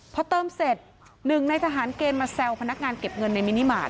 พอเติมเสร็จหนึ่งในทหารเกณฑ์มาแซวพนักงานเก็บเงินในมินิมาตร